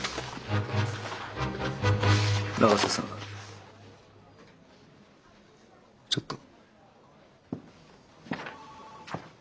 永瀬さんちょっと。